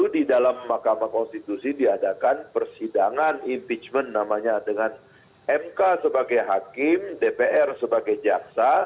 di dalam mahkamah konstitusi diadakan persidangan impeachment namanya dengan mk sebagai hakim dpr sebagai jaksa